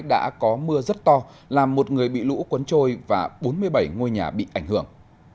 đã có mưa rất to làm một người bị lũ cuốn trôi và bốn mươi bảy ngôi nhà bị ảnh hưởng